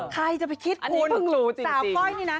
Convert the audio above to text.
ใครจะไปคิดคุณต่างกันแต่ก้อยนี่นะ